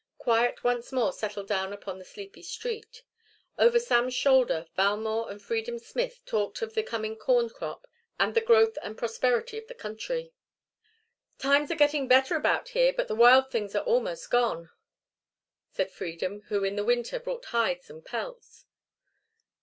Quiet once more settled down upon the sleepy street. Over Sam's shoulder, Valmore and Freedom Smith talked of the coming corn crop and the growth and prosperity of the country. "Times are getting better about here, but the wild things are almost gone," said Freedom, who in the winter bought hides and pelts.